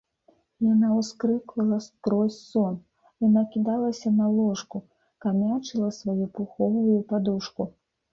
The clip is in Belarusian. Яна ўскрыквала скрозь сон, яна кідалася на ложку, камячыла сваю пуховую падушку.